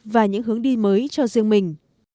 và những hướng đi mới cho riêng mình